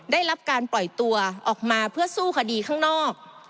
ได้รับการปล่อยตัวออกมาเพื่อสู้คดีข้างนอก